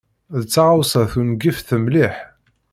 D taɣawsa tungift mliḥ.